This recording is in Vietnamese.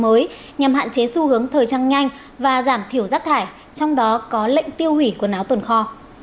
mới nhằm hạn chế xu hướng thời trang nhanh và giảm thiểu rác thải trong đó có lệnh tiêu hủy quần áo tuần kho